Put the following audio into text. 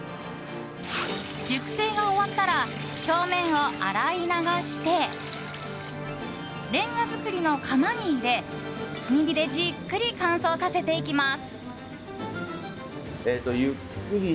熟成が終わったら表面を洗い流してレンガ作りの窯に入れ炭火でじっくり乾燥させていきます。